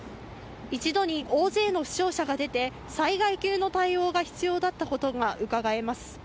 一度に大勢の負傷者が出て、災害級の対応が必要だったことがうかがえます。